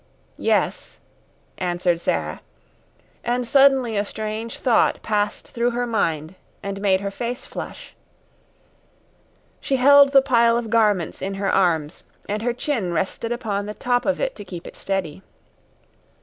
"Yes," answered Sara, and suddenly a strange thought passed through her mind and made her face flush. She held the pile of garments in her arms, and her chin rested upon the top of it to keep it steady.